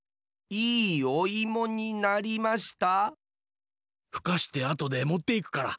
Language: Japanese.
いいおいもになりました。